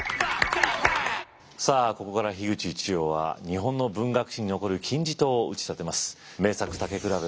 さあここから口一葉は日本の文学史に残る金字塔を打ち立てます。